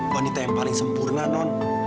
wanita yang paling sempurna non